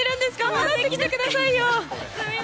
戻ってきてくださいよ。